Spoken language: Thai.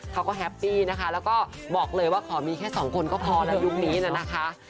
เขาก็แฮปปี้นะคะแล้วก็บอกเลยว่าขอมีแค่สองคนก็พอในยุคนี้นะคะ